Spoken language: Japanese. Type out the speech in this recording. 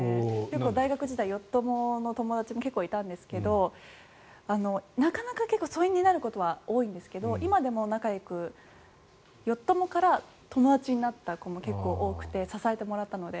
大学時代よっ友の友達もいたんですけどなかなか疎遠になることは多いんですけど今でも仲よくよっ友から友達になった子も結構多くて支えてもらったので。